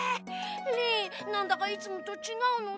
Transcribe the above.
リンなんだかいつもとちがうのだ。